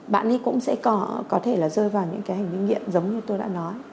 bạn ấy cũng sẽ có thể là rơi vào những cái hành vi nghiện giống như tôi đã nói